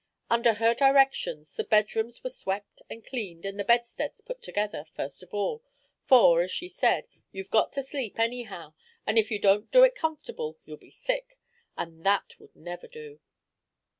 Under her directions the bedrooms were swept and cleaned, and the bedsteads put together, first of all, for, as she said, "You've got to sleep, anyhow, and if you don't do it comfortable you'll be sick, and that would never do."